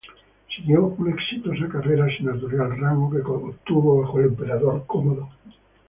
Siguió una exitosa carrera senatorial, rango que obtuvo bajo el emperador Cómodo.